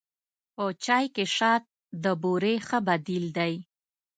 په چای کې شات د بوري ښه بدیل دی.